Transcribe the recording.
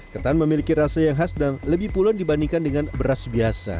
ketan memiliki rasa yang khas dan lebih pula dibandingkan dengan beras biasa